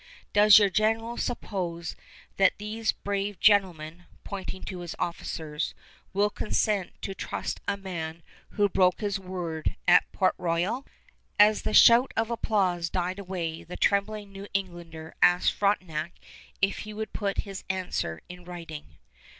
Does your General suppose that these brave gentlemen" pointing to his officers "would consent to trust a man who broke his word at Port Royal?" [Illustration: CASTLE ST. LOUIS] As the shout of applause died away, the trembling New Englander asked Frontenac if he would put his answer in writing.